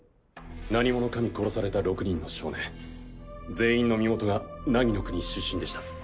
何者かに殺された６人の少年全員の身元が凪の国出身でした。